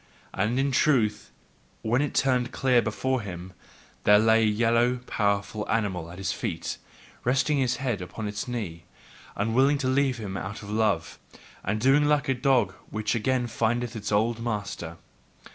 And in truth, when it turned clear before him, there lay a yellow, powerful animal at his feet, resting its head on his knee, unwilling to leave him out of love, and doing like a dog which again findeth its old master.